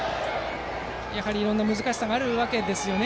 いろいろな難しさもあるわけですよね